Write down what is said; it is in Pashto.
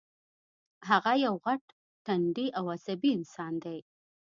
هغه یو غټ ټنډی او عصبي انسان دی